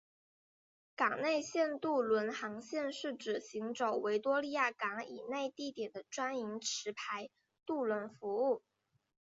港内线渡轮航线是指行走维多利亚港以内地点的专营持牌渡轮服务。